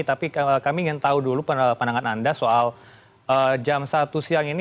tapi kami ingin tahu dulu pandangan anda soal jam satu siang ini